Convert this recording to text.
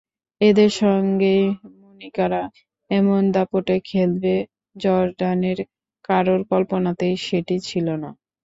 এদের সঙ্গেই মণিকারা এমন দাপটে খেলবে, জর্ডানের কারোর কল্পনাতেই সেটি ছিল না।